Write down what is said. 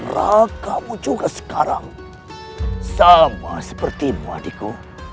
raka kamu juga sekarang sama sepertimu adikku